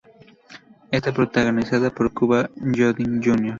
Está protagonizada por Cuba Gooding Jr.